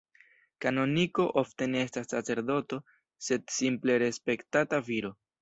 Kanoniko ofte ne estas sacerdoto, sed simple respektata viro.